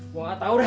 gua gak tahu dah